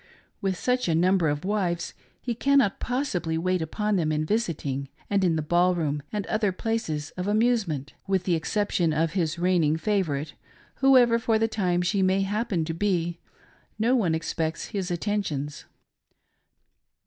With such a number of wives, he cannot possibly wait upon them in visiting, and in the ball room, and other places of amusement. With the e;cception of his reigning favorite, whoever for the time she may happen to be, no one expects his attentions.